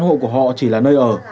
đơn giản vì căn hộ của họ chỉ là nơi ở